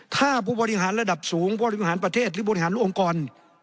ถ้าผู้บริหารระดับสูงผู้บริหารประเทศหรือบริหารองค์กร